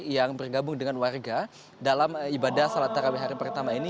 yang bergabung dengan warga dalam ibadah salat tarawih hari pertama ini